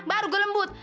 baru gua lembut